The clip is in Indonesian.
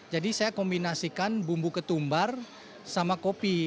jadi saya kombinasikan bumbu ketumbar sama kopi